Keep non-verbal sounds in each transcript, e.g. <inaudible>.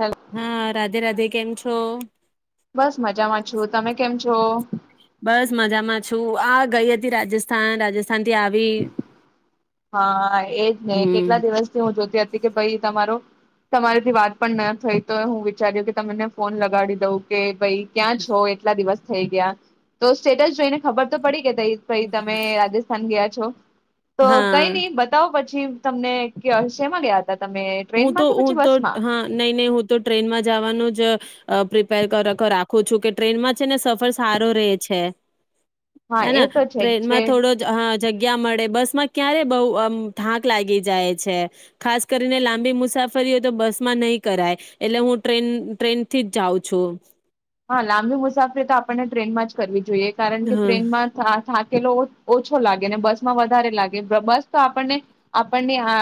Hello હા, રાધે-રાધે. કેમ છો? બસ મજામાં છું, તમે કેમ છો? બસ મજામાં છું આ ગઈ હતી રાજસ્થાન રાજસ્ હા, એજ ને હમ કેટલા દિવસથી હું જોતી હતી કે ભઈ તમારો- તમારીથી વાત પણ ન થઈ તો હું વિચાર્યો કે તમને ફોન લગાડી દઉં કે ભઈ ક્યાં છો એટલા દિવસ થઈ ગયા તો સ્ટેટસ જોઈને ખબર તો પડી કે દ ભાઈ તમે રાજસ્થાન ગયા છો. તો કઈ હા નઈ બતાવો પ પછી તમને કય શેમાં ગયા? હતા તમે હું ટ્રેનમાં તો કે હું પછી તો બસમાં હા નહીં-નહીં હું તો ટ્રેનમાં જવાનું જ અ પ્રિપેર કર રાખું છું કે ટ્રેનમાં છે ને સફર સારો રહે છે. હા હેને એ તો છે જ. ટ્રેનમાં ટ્રેન થોડો હા જગ્યા મળે બસ માં ક્યારે બહુ અમ થાંક લાગી જાય છે ખાસ કરીને લં લંબી મુસાફરી હોય તો બસમાં નહીં કરાય એટલે હું ટ્રેન-ટ્રેન થી જ જાઉં છું. હા લાંબી મુસાફરી તો આપણને ટ્રેનમાં જ કરવી જો જોઈએ કારણ કે હા ટ્રેનમાં થા-થા કેલો ઓછો લાગે ને બસ માં વધારે લાગે બસ તો આપણને-આપણને આ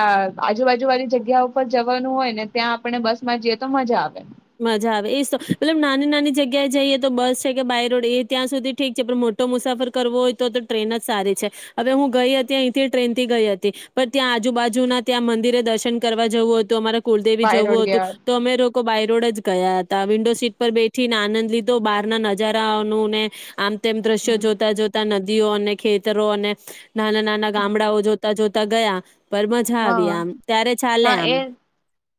આજુબાજુ વાળી જગ્યા ઉપર જવાનું હોય ને ત્યાં આપણને બસ માં જઈએ તો મજા આવે. મજા આવે એ તો મતલબ નાની-નાની જગ્યાએ જઈએ તો બસ છે કે બાય રોડ એ ત્યાં સુધી ઠીક છે પણ મોટો મુસાફર કરવો હોય તો તો ટ્રેન જ સારી છે હવે હું ગઈ હતી અહીંથી ટ્રેન થી ગઈ હતી પણ ત્યાં આજુબાજુના ત્યાં મંદિરે દર્શન કરવા જવું હતું અમારે કુલદેવી બાય રોડ જવું હતું ગયા. તો અમે લોકો બાય ગયા હતા વિન્ડો સીટ પર બેઠીને આનંદ લીધો બારના નજારાઓનુ આનં તેમ દ્રશ્યો જોતા-જોતા નદીઓ અને ખેતરો અને નાના-નાના ગામડાઓ જોતા-જોતા ત ગયા. પર મજા આવી હા આમ ત્યારે ચાલે હા આમ એ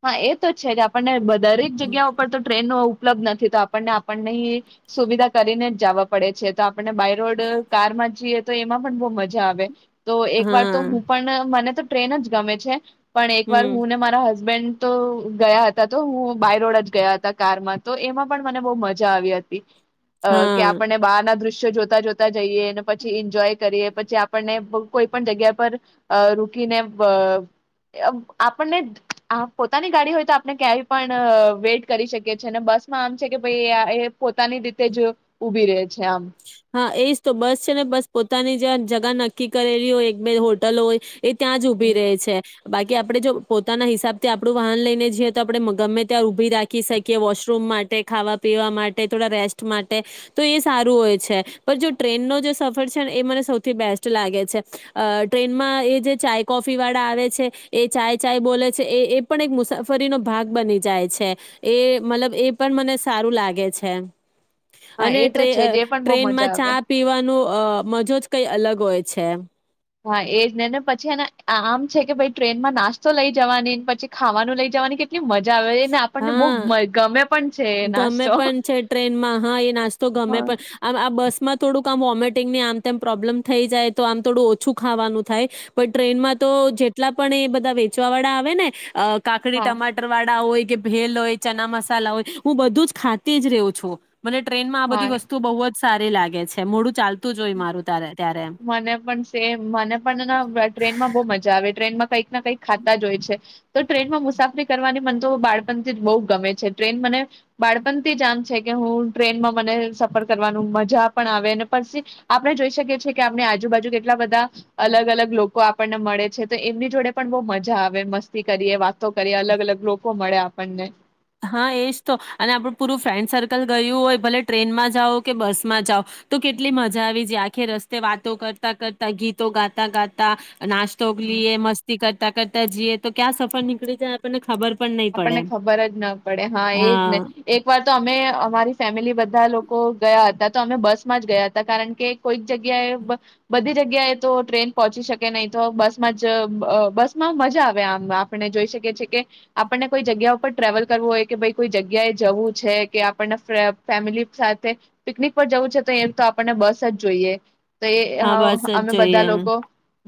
હા એ તો છે કે આપણને વધા જગ્યા ઉપર તો ટ્રેનનો ઉપલબ્ધ નથી તો આપણને આપણની સુવિધા કરીને જ જવા પડે છે તો આપ આપને બાયરોડ કાર માં જીએ તો એમાં પણ બહુ મજા આવે. તો એક વાર તો હા હું પણ મને તો ટ્રેન જ ગમે છે. પણ એક વાર હમ હું ને મારા હસ બન્ડ તો ગયા હતા તો હું બાય રોડ જ ગયા હતા કારમાં તો એમાં પણ મને બહુ મજા આવી હતી. અ કે હા આપને બહાર ના દશ્ શ્ય જોતા જોતા જઈએ ને પછી એન્જોય કરીએ પછી આપણને કોઈ પણ જગ્યા પર અ રુકીને બ આપણને આ પોતાની ગાડી હોય તો આપણે ક્યાંય પણ વેઇટ કરી શકીએ અને બસમાં આમ છે કે ભાઈ એ પોતાની રીતે જ ઉભી રહે છે આમ હા એજ તો બસ છે ને બસ પોતાની જે જગા નક્કી કરેલી હોય એક બે હોટલો હોય એ ત્યાં જ ઉભી રહે છે, બાકી કે આપણે જો પોતાના હિસાબથી આપડું વાહન લઈને જઈએ તો આપણે ગમે ત્યાં ઉભી રાખી શકીએ, વોશરૂમ માટે, ખાવા પીવા માટે, થોડા રેસ્ટ માટે તો એ સારું હોય છે. પણ જો ટ્રેનનો જે સફર છે ને એ મને સૌથી બેસ્ટ લાગે છે અ ટ્રેનમાં એ જે ચાય કોફી વાળા આવે છે એ ચાય ચાય બોલે છે એ એ પણ એક મુસાફરીનો ભાગ બની જાય છે એ મતલબ એ પણ મને સારું લાગે છે. હા અને એ તો ટ્રે અ છે જે પણ બહુ ટ્રેન મજા માં આવે ચા પીવાનું અ મજો જ કઈ અલગ હોય છે. હા એજ નેને પછી એને આમ છે કે ભાઈ ટ્રેનમાં નાસ્તો લઈ જવાની પછી ખાવાનું લઈ જવાની કે કી મજા આવે એ ને આપણને બહુ હા ગમે. પણ છે એ ગમે નાસ્તો પણ છે ટ્રેનમાં, હા, એ નાસ્તો ગમે, હા પણ આમ આ બસ મા થોડુંક આ વોમિટંગને આમ પ્રોબ્લેમ થઈ જાય તો આમ થોડું ઓછું ખાવાનું થાય, પણ ટ્રેનમાં તો જેટલા પણ એ બધા વેચવા વાળા આવે ને કાકડી હા ટમાટર વાળા હોય. કે ભેલ હોય, ચના મસાલા હોય. હું, બધુંજ ખાતીજ રહું છું. મને ટ્રેનમાં આ બધી હા વસ્તુ બોવજ સારી લાગે છે, મોડું ચાલતું જ હોય મારું તારે ત્યારે. મને પણ સેમ, મને પણ ટ્રેનમાં બો મજા આવે, ટ્રેનમાં કંઈક ના કંઈક ખાતા જોય છે, તો ટ્રેનમાં મુસાફરી કરવાની મન તો બાળપણથી જ બહુ ગમે છે. ટ્રેન મને બાળપણથી જ આમ છે કે હું ટ્રેનમાં મને સફર કરવાનું મજા પણ આવે અને પછી આપણે જોઈ શકીએ છીએ કે આપને આજુબાજુ કેટલા બધા અલગ અલગ લોકો આપ કો આપણને મળે છે, તો એમની જોડે પણ બો મજા આવે, મસ્તી કરીએ, વાતો કરીએ, અલગ અલગ લોકો મળે આપણને હા, એજ તો અને આપડું પૂરું ફ્રેન્ડ સર્કલ ગયું હોય, ભલે ટ્રેનમાં જાઓ કે બસમાં જાઓ, તો કેટલી મજા આવી જાય આખે રસ્તે, વાતો કરતા કરતા, ગીતો ગાતા ગાતા હમ. નાસ્તોગલી મસ્તી કર તા કરતા જઈએ, તો ક્યા સફર નીકળી જાય આપણને ખબર પણ નહીં પડે ના પડે. હા, એજને એક વાર તો અમે અમારી ફેમિલી બધા લોક કો ગયા હતા તો અમે બસમાં જ ગયા હતા, કારણ કે કોઈક જગ્યાએ બધી જગ્યાએ તો ટ્રેન પહોંચી શકે નહી તો બસમાં જ અહ બસ માં મજા આવે આમ, આપણે જોઈ શકીએ છીએ કે આપણને કોઈ જગ્યા ઉપર ટ્રાવેલ કરવું હોય કે ભાઈ કોઈ જગ્યાએ જવું છે કે આપણને ફ્ર ફેમિલી સાથે પિકનિક પર જવું છે તો એ જ તો આપણને બસ જ જોઈએ. તો એ હા બસ અહ જ અમે બધા જોઈએ લોકો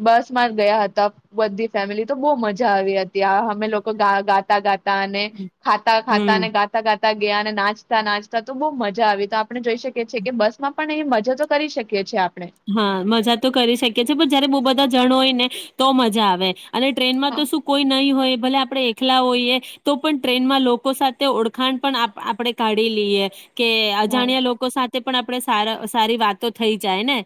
બસ માં જ ગયા હતા બધી ફેમિલી, તો બહુ મજા આવી હતી આ અમે લોકો અહ ગા ગા <unintelligible> ગા અને ખાતા-ખાતા હમ અને ગાતા-ગાતા તા ગયા અને નાચતા-નાચતા તો બહુ મજા આવી તા આપણે જોઈ શકીએ છીએ કે બસ માં પણ એ મજા તો કરી શકીએ છીએ આપ હા મજા તો કરી શકીએ છે પણ જયારે બહુ બધા જણ હોય ને તો મજા આવે. અને ટ્રેનમાં તો હા શું કોઈ નહી હોય ભલે આ આપણે એકલા હોઈએ તો પણ ટ્રેનમાં લોકો સાથે ઓળખાણ પણ આપ આપણેે કાઢી લઈએ. કે હા અજાણ્યા લોકો સાથે પણ આપણે સાર સારી વાતો થઈ જાય ને.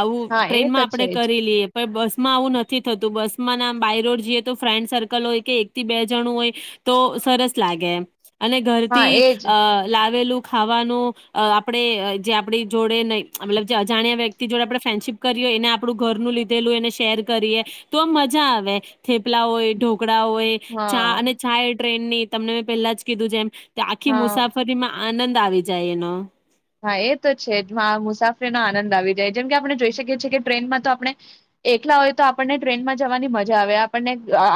આવું હા એ ટ્રેન તો માં આપણે છે જ કરી લઈએ. બસમાં આવું નથી થતું બસ માં ના બાય રોડ જઈએ તો ફ્રેન્ડ સર્કલ હોય કે એકથી બે જણું હોય, તો સરસ લાગે એમ. અને હા ઘરથી એજ અ લાવેલું ખાવાનું, આપણે જે આપણી જોડે ન મતલબ જે અજાણ્યા વ્યક્તિ જોડે ફ્રેન્ડશીપ કરીએ એને આપણું ઘર નું લીધેલું એને શેર કરીએ, તો આ મજા આવે થેપલા હોયો ટોકડાઓ, એ ચા હા અને ચા ટ્રેન ની તમને મેં પેલા જ કીધું છે એમ આખી હા મુસાફરીમાં આનંદ આવી જાય એનો. હા એ તો છે જ મુસાફરીનો આનંદ આવી જાય જેમ કે આપણે જોઈ શકીએ છીએ કે ટ્રેનમાં તો આપણે, એકલા હોય તો આપણને ટ્રેનમાં જવાની મજા આવે, આપણને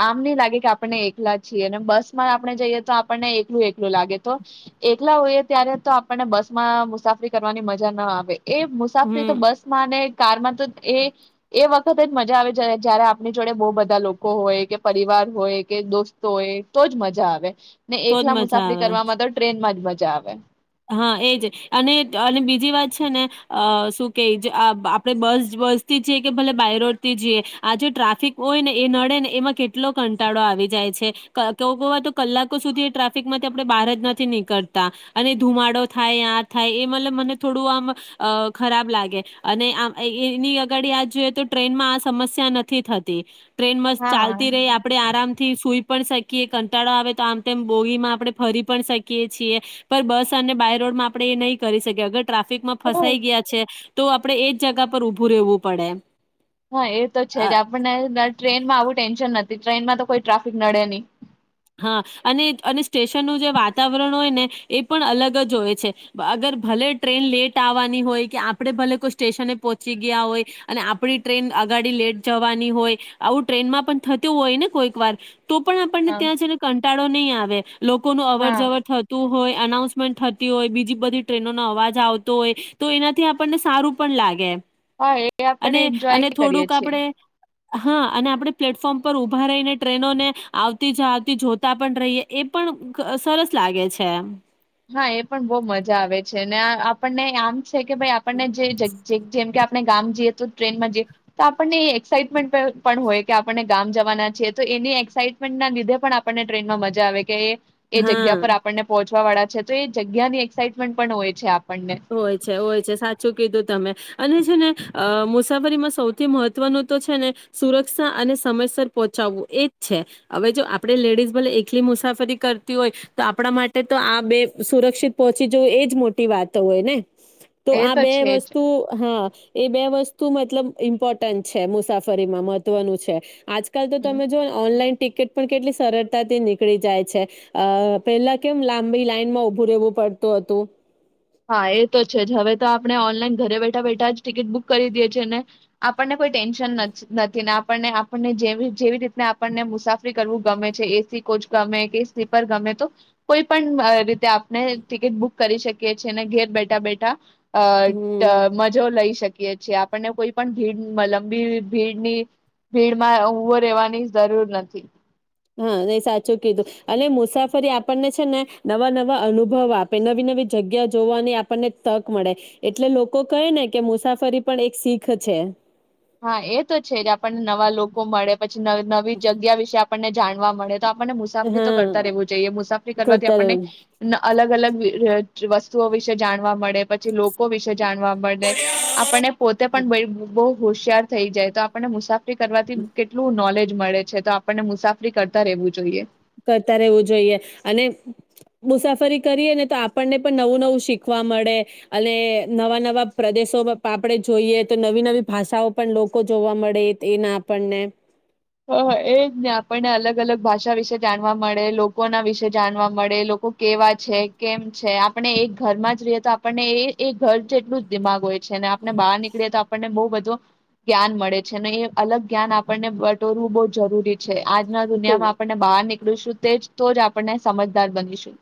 આમ નહી લાગે કે આપણને એકલા છીએ અને બસ માં આપણે જઈએ તો આપણને એકલું એકલું લાગે તો, એકલા હોઈએ ત્યારે તો આપણને બસ માં મુસાફરી કરવાની મજા ના આવે. એ મુસાફરી તો હમ બસ માં ને કારમાં તો એ એ વખત જ મજા આવે જ જયારે આપણી જોડે બહુ બધા લોકો હોય કે પરિવાર હોય કે દોસ્તો હોય તો જ મજા આવે. ને તો જ એકલા મજા મુસાફરી આવે કરવામાં તો ટ્રેનમાં જ. મજા આવે. હા એજ અને અને બીજી વાત છે ને અ શું કે આપણે બસ બસથી જીએ કે ભલે બાયરોડ થી જઈએ આ જે ટ્રાફિક હોય ને એ નડે ને એમાં કેટલો કંટાળો આવી જાય છે કેવ કવાય તો કલાકો સુધી એ ટ્રાફિકમાંથી આપણે બહાર જ નથી નીકળતા અને. ધુમાડો થાય થાય એ મતલબ મને થોડું આમ ખરાબ લાગે અને આ એની આગળ આ જોઈએ તો ટ્રેનમાં આ સમસ્યા નથી થતી. ટ્રેન મસ્ત હા ચાલતી રહી આપડણે આરામ થી સુઈ. પણ શકીએ કંટાળો આવે તો આમ તેમ બોરીમાં આપડણે ફરી પણ શકીએ છીએ પણ બસ. અને બાય રરોડમાં આપણે એ નહીં કરી શકીએ અગર. ટ્રાફિકમાં ફસાઈ ગયા છે. તો આપડણે એ જ જગા પર ઉઊભું રહેવું પડે. હા એ તો છે અ જ આપણને ટ્રેનમાં આવું ટેન્શન નથી. ટ્રેનમાં તો કોઈ ટ્રાફિક નડે નહી હા અને અને સ્ટેશનનું જે વાતાવરણ હોય ને એ પણ અલગ જ હોય છે અગર ભલે ટ્રેન લેટ આવવાની હોય કે આપણે ભલે કોઈ સ્ટેશને પહોંચી ગયા હોય અને આપણી ટ્રેન અગાડી લેટ જવાની હોય આવું ટ્રેનમાં પણ થતું હોય ને કોઈક વાર તો પણ આપણ હા ત્યાં છેને કંટાળો નહીં આવે વેફ લોકો ન અવર હા જવર થતું હોય અનાઉન્સમેન્ટ થતી હોય બીજી બધી ટ્રેનોનો અવાજ આવતો હોય તો એનાથી આપણને સારું પણ લાગે હા એ આપણને અને અને એન્જોય કરીએ થોડુંક છીએ આપણે હા અને આપડણે પ્લેટફોર્મ પર ઉભા રહીને ટ્રેનો ને આવ આવતી જ આવતી જોતા પણ રહીએ એ પણ સરસ લાગે છે હા એ પણ બહુ મજા આવે છે આપણને આમ કે ભાઈ એમ. આપણને જે જેમ આપણે ગામ જઈએ તો ટ્રેનમાં જઈએ તો આપણને એક્સાઇટમેન્ટ પણ હોય કે આપણને ગામ જવાના છીએ તો એની એક્સાાઈટમેન્ટ ના લીધે પણ આપણને ટ્રેનમાં મજા આવે કે એ એ જગ્યા પર હા આપણને પહોંચ વાડા તો એ જગ્યા ની એક્સાઇટમેન્ટ પણ હોય છે આપ હોય છે હોય છે સાચું કીધું તમે અને છે ને અ મુસાફરીમાં સૌથી મહત્વનું તો છે ને સુરક્ષા અને સમયસર પહોંચાવું એજ છે હવે જો આપે લેડીઝ ભલે એકલી મુસાફરી કરતી હોય તો આપણા માટે તો આ બે સુરક્ષિત પહોંચી જવું એજ મોટી વાત તો હોય ને તો એ આ બે છે જ વસ્તુ હા એ બે વસ્તુ શું મતલબ ઈમ્પોર્ટન્ટ છે મુસાફરીમાં મહત્વનું છે આજ કલ તો હમ તમે જો ને ઓનલાઈન ટિકિટ પણ કેટલી સરળતાથી નીકળી જાય છે અ પેલા કેમ લાંબી લાઈનમાં ઉભું રહેવું પડતું હતું હા એ તો છે જ હવે તો આપણે ઓનલાઈન ઘરે બેઠા બેઠા જ ટિકિટ બુક કરી દેએ છ છેીએ ને આપણને કોઈ ટેન્શન નથીને આપને આપણને જેવી જેવી રીતને આપણને મુસાફરી કરવું ગમે છે એસી કોચ ગમે કે સ્લીપર ગમે તો કોઈ પણ રીતે આપણે ટિકિટ બુક કરી શકી કે છે ને ઘેર બેઠા બેઠા હમ અ મજો લઈ શકે. આપણને કોઈ પણ ભીડ લંબી ભીડ ની, ભીડ માં ઉવો રહેેવાની જરૂર નથી. હા એ સાચું કીધું, અને મુસાફરી આપણને છે ને, નવા નવા અનુભવ આપે નવી નવી જગ્યા જોવાની આપણને તક મળે, એટલે લોકો કહે ને કે મુસાફરી પણ એક શીખ છે. હા એ તો છે જ આપણને નવા લોકો મળે. પછી નવી જગ્યા વિશે આપણને જાણવા મળે. તો આપણને મુસાફરી તો કરતા હા રહેવું જોઈએ મુસાફરી કરવાથી કરતા આપણને, રહેવું અલગ અલગ વસ્તુઓ વિશે જાણવા મળે પછી લોકો વિશે જાણવા મળે, આપણને પોતે પણ બ હોશિયાર થઈ જાય તો આપણને મુસાફ કરવાથી કેટલું નોલેજ મળે છે તો આપણને મુસાફરી કરતા રહેવું જોઈએ. કરતા રહેવું જોઈએ, અને મુસાફરી કરીએ ને તો આપણને પણ નવું નવું શીખવા મળે, અને નવા નવા પ્રદેશો આપણે જોઈએ તો નવી નવી ભાષાઓ પણ લોકો જોવા મળે એના આપણને. હ એજ ને આપણને અલગ અલગ ભાષા વિશે જાણવા મળે લોકોના વિશે જાણવા મળે લોકો કેવા છે કેમ છે આપણે એક ઘરમાં જ રહીએ તો આપણને એ ઘર જેટલું જ દિમાગ હોય છે ને આપ બહાર નીકળીએ તો આપણને બહુ બધું જ્ઞાન મળે છે અને એ અલગ જ્ઞાન આપણને દોરવું બહુ જરૂરી છે. આજના દુનિયા ખૂબ માં આપણને બહાર નીકળ ું તેજ તો જ આપણને સમજદાર બનીશું.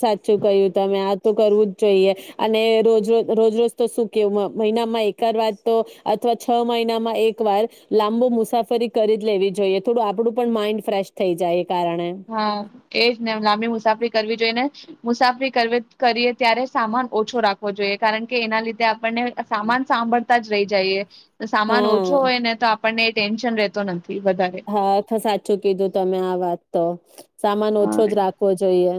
સાચું કહ્યું તમે આ તો કરવું જ જોઈએ, અને રોજજ રોજ રોજ તો શું કેવું મહિનામાં એકર વાર તો, અથવા છ મહિનામાં એક વાર, લાંબો મુસાફરી કરી જ લેવી જોઈએ થોડું આપડું પણ માઈન્ડ ફ્રેશ થઇ જાય. કારણે હા એજ ને લાંબી મુસાફરી કરવી. મુસાફરી કરીએ ત્યારે સામાન ઓછો રાખવો જોઈએ કારણ કે એના લીધે બંને સામાન સાંભળ જ રહી જઈએ. સામાન ઓછો હા હોય ને તો પણ એ ટેન્શન રહેતો નથી. વધારે હા સાચું કીધું તમે આ વાત. તો. સામાન ઓછો હા જ રાખવો જોઈએ.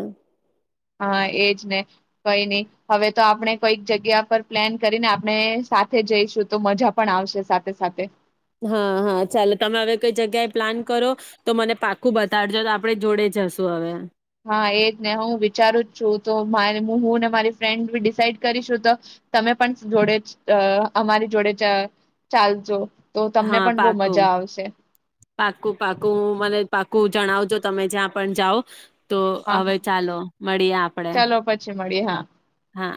હા એજ ને. કઈ નહી હવે તો આપણે કોઈક જગ્યા પર પ્લેન કરીને આપણે સાથે જઈશું તો મજા પણ આવશે સાથે સાથે. હા હા ચાલો તમે હવે કોઈ જગ્યાએ પ્લાન કરો તો, મને પાકું બતાડજો તો આપણે જોડે જશું હવે. હા એજ ને હું વિચારું જ છું તો મા હું ને મારી ફ્રેન્ડી ડિસાઈડ કરીશું તો, તમે પણ જોડે અમારી જોડે ચાલજો. તો હા તમને પણ બહુ પાકું, મજા આવશે પાકું પાકું મને પાકું જણાવજો તમે જ્યાં પણ જાઓ. તો હા હવે હા ચાલો મળીએ આપડે ચાલો પછી મળીએ હા. હા.